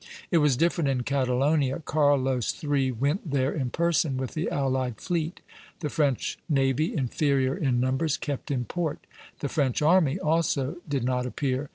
It was different in Catalonia. Carlos III. went there in person with the allied fleet. The French navy, inferior in numbers, kept in port. The French army also did not appear.